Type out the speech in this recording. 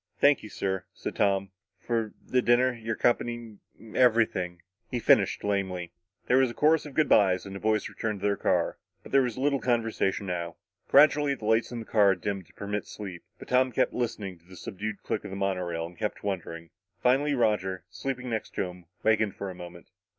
"Thank you, sir," said Tom, "for the dinner your company and everything," he finished lamely. There was a chorus of good byes and the boys returned to their car. But there was little conversation now. Gradually, the lights in the cars dimmed to permit sleep. But Tom kept listening to the subdued click of the monorail and kept wondering. Finally Roger, sleeping next to him, wakened for a moment.